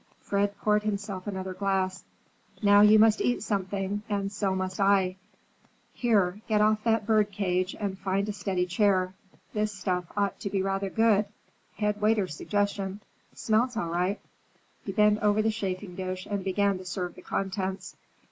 Fred poured himself another glass. "Now you must eat something, and so must I. Here, get off that bird cage and find a steady chair. This stuff ought to be rather good; head waiter's suggestion. Smells all right." He bent over the chafing dish and began to serve the contents.